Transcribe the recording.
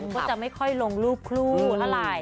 ก็จะไม่ค่อยลงรูปคู่เท่าไหร่